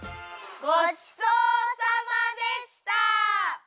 ごちそうさまでした！